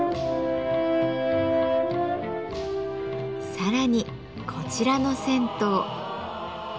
更にこちらの銭湯。